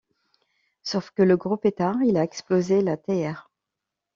Sauf que le gros pétard il a explosé la théière.